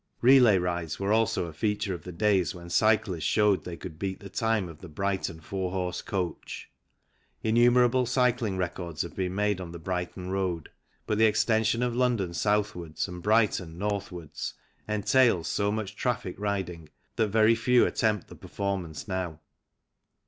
Relay rides were also a feature of the days when cyclists showed they could beat the time of the Brighton four horse coach. Innumerable cycling records have been made on the Brighton Road, but the extension of London southwards and Brighton northwards entails so much traffic riding that very few attempt the performance now.